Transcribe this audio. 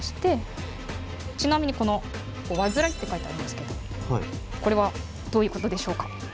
ちなみにこの「煩」って書いてありますけどこれはどういうことでしょうか？